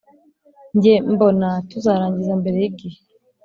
jye mbona tuzarangiza mbere yigihe